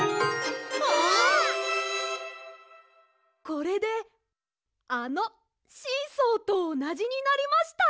これであのシーソーとおなじになりました！